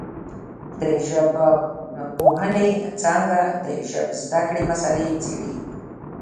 د ژبارواپوهنې څانګه د ژبزده کړې مسالې څېړي